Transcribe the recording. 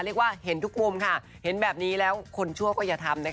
เรียกว่าเห็นทุกมุมค่ะเห็นแบบนี้แล้วคนชั่วก็อย่าทำนะคะ